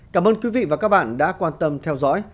cảm ơn quý vị và các bạn đã quan tâm theo dõi